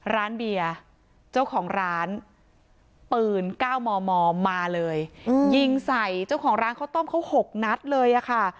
ร้านเบียร์เจ้าของร้านปืน๙มมมาเลยยิงใส่เจ้าของร้านข้าวต้มเขา๖นัดเลยอะค่ะ